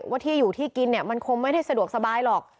ว่าที่อยู่ที่กินเนี่ยมันคงไม่ได้สะดวกสบายหรอก